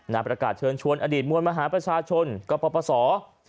นาประกาศเชิญชวนอดีตมวลมหาประชาชนกระเป๋าประสอบ